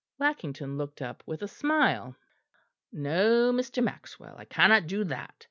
Lackington looked up with a smile. "No, Mr. Maxwell, I cannot do that.